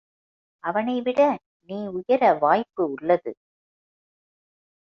அவனைவிட நீ உயர வாய்ப்பு உள்ளது.